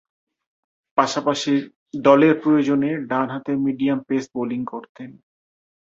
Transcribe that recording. পাশাপাশি দলের প্রয়োজনে ডানহাতে মিডিয়াম পেস বোলিং করতেন।